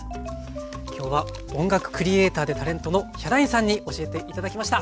今日は音楽クリエーターでタレントのヒャダインさんに教えて頂きました。